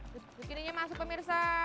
bikinnya masuk pemirsa